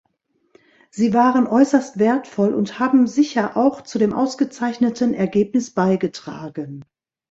Sie waren äußerst wertvoll und haben sicher auch zu dem ausgezeichneten Ergebnis beigetragen.